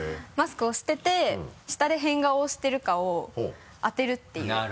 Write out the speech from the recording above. マスクをしていて下で変顔をしているかを当てるっていう。